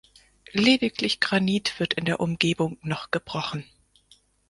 Lediglich Granit wird in der Umgebung noch gebrochen.